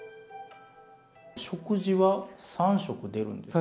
食事は３食出るんですか。